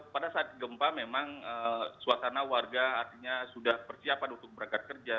pada saat gempa memang suasana warga artinya sudah persiapan untuk berangkat kerja